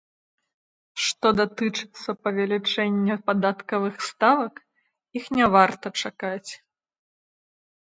Што датычыцца павелічэння падатковых ставак, іх не варта чакаць.